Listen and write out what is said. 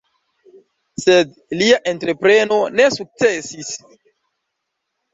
Sed lia entrepreno ne sukcesis.